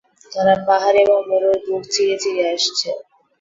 তারা পাহাড় এবং মরুর বুক চিরে চিরে আসছে।